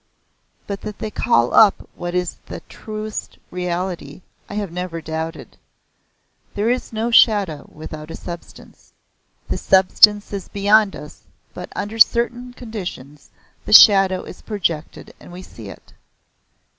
But that they call up what is the truest reality I have never doubted. There is no shadow without a substance. The substance is beyond us but under certain conditions the shadow is projected and we see it.